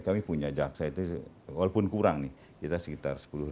kami punya jaksa itu walaupun kurang nih kita sekitar sepuluh